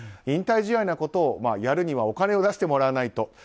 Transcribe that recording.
引退試合のようなことをやるにはお金を出してもらわないと。